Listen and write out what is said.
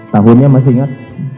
tahunnya masih ingat